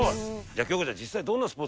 じゃあ京子ちゃん。